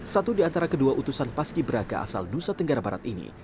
satu di antara kedua utusan paski beraka asal nusa tenggara barat ini